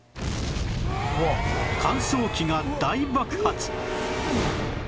乾燥機が大爆発